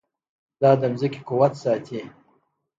دا د ځمکې قوت ساتي.